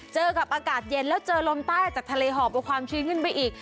เจอกับอากาศเย็นแล้วเจอลมใต้จากทะเลหอบเอาความชื้นขึ้นไปอีก